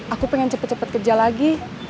aku pengen cepet cepet kerja lagi